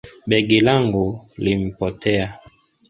Begi langu limpoteya